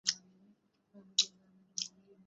নরেন্দ্র আবশ্যকমত গৃহসজ্জা বিক্রয় করিতে লাগিল।